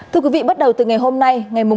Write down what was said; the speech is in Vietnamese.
thưa quý vị bắt đầu từ ngày hôm nay ngày một tháng ba